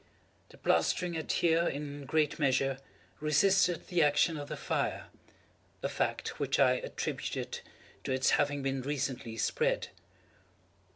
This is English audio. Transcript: The plastering had here, in great measure, resisted the action of the fire—a fact which I attributed to its having been recently spread.